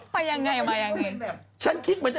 ไปยังไง